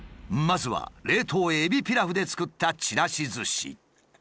まずは冷凍エビピラフで作ったちらしずし。